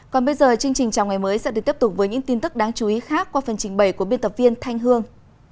còn bây giờ chương trình chào ngày mới sẽ được tiếp tục với những tin tức đáng chú ý khác qua phần trình bày của biên tập viên thanh hương